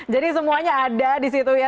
jadi semuanya ada di situ ya